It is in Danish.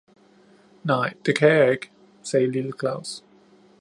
"Nej, det kan jeg ikke!" sagde lille Claus.